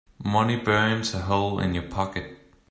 Money burns a hole in your pocket.